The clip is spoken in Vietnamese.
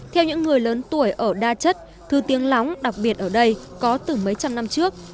theo những người lớn tuổi ở đa chất thứ tiếng lóng đặc biệt ở đây có từ mấy trăm năm trước